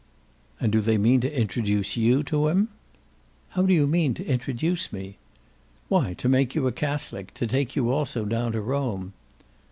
"And do they mean to introduce you to him?" "How do you mean, to introduce me?" "Why to make you a Catholic, to take you also down to Rome."